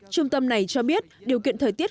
trung tâm này cho biết điều kiện thời tiết